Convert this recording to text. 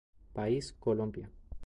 País: Colombia.